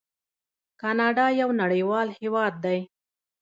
کاناډا یو نړیوال هیواد دی.